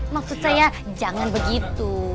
maksud saya jangan begitu